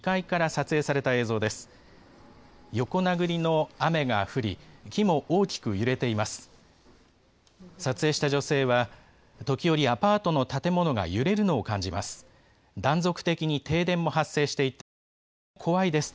撮影した女性は、時折、アパートの建物が揺れるのを感じます。